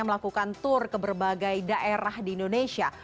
melakukan tur ke berbagai daerah di indonesia